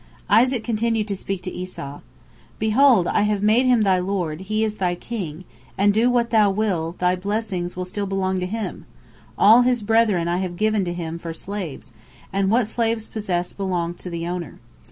" Isaac continued to speak to Esau: "Behold, I have made him thy lord, he is thy king, and do what thou wilt, thy blessings will still belong to him; all his brethren have I given to him for slaves, and what slaves possess belongs to their owner.